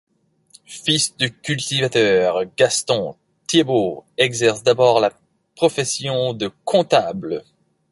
Fils de cultivateurs, Gaston Thiébaut exerce d'abord la profession de comptable.